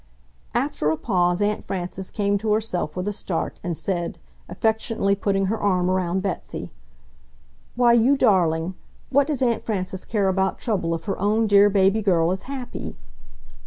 After a pause Aunt Frances came to herself with a start, and said, affectionately putting her arm around Betsy, "Why, you darling, what does Aunt Frances care about trouble if her own dear baby girl is happy?"